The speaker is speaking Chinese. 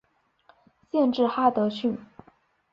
县治哈得逊。